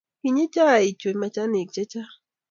Kinyei chaik chu machanik che chang'